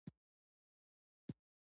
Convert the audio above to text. لومړی به د جګړې ډګر وګورو.